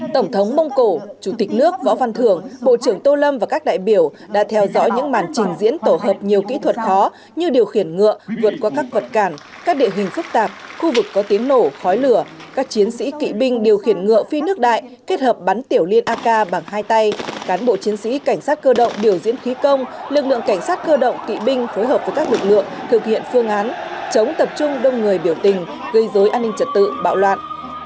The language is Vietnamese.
tổng thống mông cổ chủ tịch nước võ văn thưởng bộ trưởng tô lâm và các đại biểu đã theo dõi những màn trình diễn tổ hợp nhiều kỹ thuật khó như điều khiển ngựa vượt qua các vật cản các địa hình phức tạp khu vực có tiếng nổ khói lửa các chiến sĩ kỵ binh điều khiển ngựa phi nước đại kết hợp bắn tiểu liên ak bằng hai tay cán bộ chiến sĩ cảnh sát cơ động điều diễn khí công lực lượng cảnh sát cơ động kỵ binh phối hợp với các lực lượng thực hiện phương án chống tập trung đông người biểu tình gây dối an